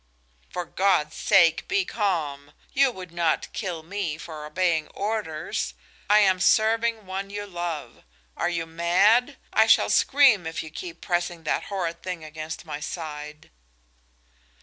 "For God's sake, be calm! You would not kill me for obeying orders! I am serving one you love. Are you mad? I shall scream if you keep pressing that horrid thing against my side."